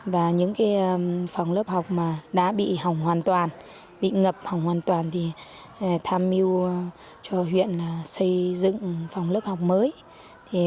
và những cái phòng lớp học mà đã bị hỏng hoàn toàn bị ngập hỏng hoàn toàn thì tham mưu cho huyện xây dựng phòng lớp học mới